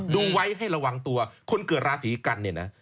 ดูไว้ให้ระวังตัวคนเกิดราษีกรรม